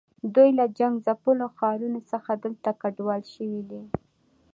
دوی له جنګ ځپلو ښارونو څخه دلته کډوال شوي دي.